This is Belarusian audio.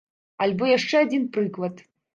Альбо яшчэ адзін прыклад.